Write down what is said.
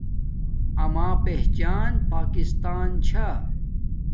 اما پہچان پاکستان چھا